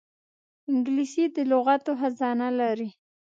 انګلیسي د لغاتو خزانه لري